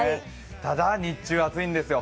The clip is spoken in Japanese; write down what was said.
ただ、日中暑いんですよ。